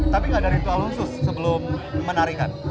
tapi gak ada ritual khusus sebelum menarikan